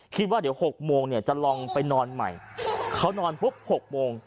คิดว่าเดี๋ยว๖โมงเนี่ยจะลองไปนอนใหม่เขานอนปุ๊บ๖โมง